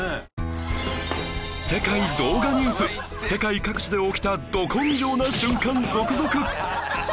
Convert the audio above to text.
『世界動画ニュース』世界各地で起きたド根性な瞬間続々！